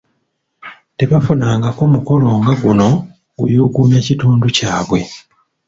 Tebafunangako mukolo nga guno guyugumya kitundu kyabwe.